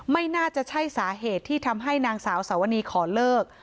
ไม่น่าจะใช่สาเหตุที่ทำให้นางสาวสวนีขอเลิก